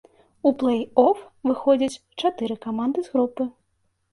У плэй-оф выходзяць чатыры каманды з групы.